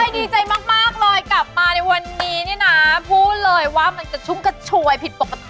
ดีใจมากเลยกลับมาในวันนี้นี่นะพูดเลยว่ามันกระชุ่มกระชวยผิดปกติ